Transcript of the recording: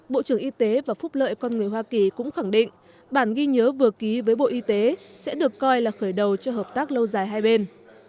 bộ trưởng y tế và phúc lợi con người hoa kỳ cũng khẳng định bản ghi nhớ vừa ký với bộ y tế sẽ được coi là khởi đầu cho hợp tác lâu dài hai bên